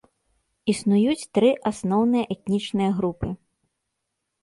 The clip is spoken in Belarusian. Існуюць тры асноўныя этнічныя групы.